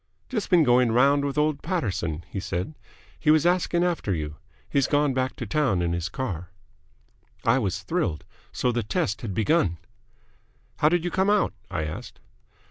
"Just been going round with old Paterson," he said. "He was asking after you. He's gone back to town in his car." I was thrilled. So the test had begun! "How did you come out?" I asked.